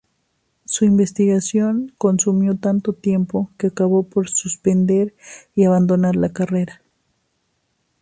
Su investigación consumió tanto tiempo que acabó por suspender y abandonar la carrera.